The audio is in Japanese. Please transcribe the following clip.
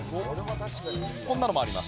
こんなのもあります。